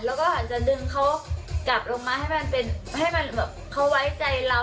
หลังจากนึงเขากลับมาให้มันเงื่อนไว้ใจเรา